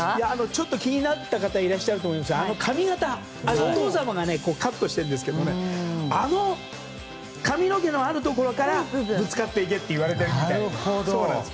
ちょっと気になった方がいらっしゃるかと思いますがあの髪形はお父様がカットしているんですけどあの髪の毛のあるところからぶつかっていけって言われているみたいで。